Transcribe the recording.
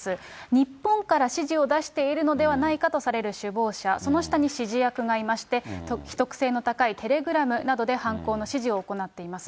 日本から指示を出しているのではないかとされる首謀者、その下に指示役がいまして、秘匿性の高いテレグラムなどで犯行の指示を行っています。